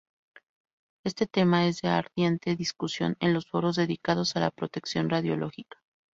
Este tema es de ardiente discusión en los foros dedicados a la protección radiológica.